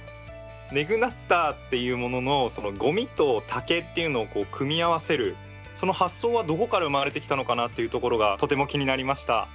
ネグナッターっていうもののそのごみと竹っていうのを組み合わせるその発想はどこから生まれてきたのかなっていうところがとても気になりました。